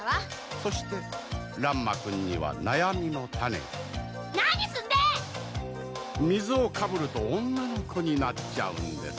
そして乱馬くんには悩みの種が何すんでぇっ！水をかぶると女の子になっちゃうんです